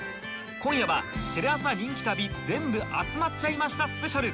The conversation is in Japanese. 今夜はテレ朝人気旅全部集まっちゃいましたスペシャル